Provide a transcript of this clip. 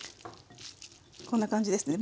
こんな感じですね。